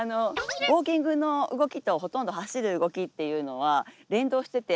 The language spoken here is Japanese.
ウォーキングの動きとほとんど走る動きっていうのは連動してて。